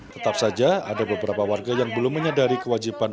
tetap saja ada beberapa warga yang belum menyadari kewajiban